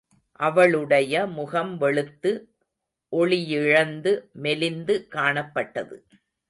அவளுடைய முகம் வெளுத்து, ஒளியிழந்து மெலிந்து காணப்பட்டது.